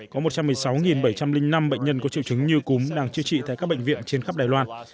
có một trăm một mươi sáu bảy trăm linh năm bệnh nhân có triệu chứng như cúm đang chữa trị tại các bệnh viện trên khắp đài loan